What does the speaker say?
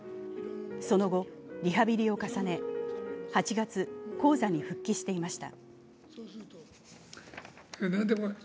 その後、リハビリを重ね、８月、高座に復帰していました。